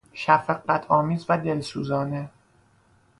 شفقتآمیز و دلسوزانه